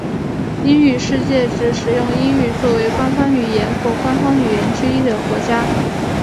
英语世界指使用英语作为官方语言或官方语言之一的国家。